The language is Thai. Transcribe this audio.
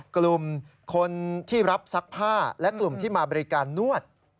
กลุ่มคนที่รับซักผ้าและกลุ่มที่มาบริการนวด